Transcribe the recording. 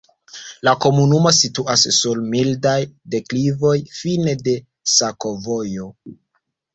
La komunumo situas sur mildaj deklivoj, fine de sakovojo.